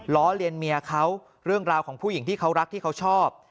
เลียนเมียเขาเรื่องราวของผู้หญิงที่เขารักที่เขาชอบ